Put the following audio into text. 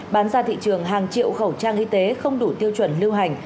bán ra thị trường hàng triệu khẩu trang y tế không đủ tiêu chuẩn lưu hành